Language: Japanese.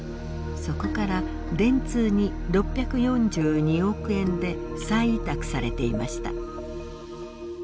そこから電通に６４２億円で再委託されていました。